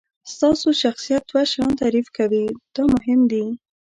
ستاسو شخصیت دوه شیان تعریف کوي دا مهم دي.